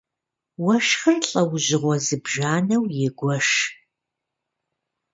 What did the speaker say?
Уэшхыр лӀэужьыгъуэ зыбжанэу егуэш.